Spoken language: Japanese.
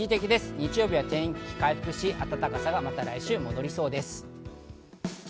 日曜日は天気が回復し、暖かさがまた来週戻りそうです。